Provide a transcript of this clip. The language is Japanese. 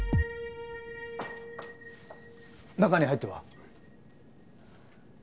中に入っては。